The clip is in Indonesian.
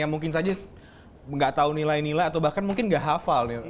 yang mungkin saja nggak tahu nilai nilai atau bahkan mungkin nggak hafal